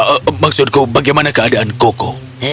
eh maksudku bagaimana keadaan koko